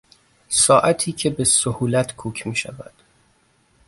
ساعتی که به سهولت کوک میشود